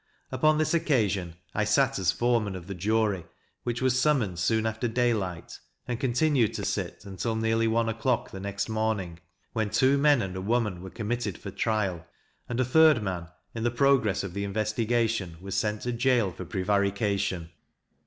Upon this occasion, I sat as foreman of the jury, which was summoned soon after daylight, and continued to sit until nearly one o'clock the next morning, when two men and a woman were committed for trial; and a third man, in the progress of the investigation, was sent to gaol for prevarication.